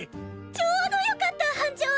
ちょうどよかった班長！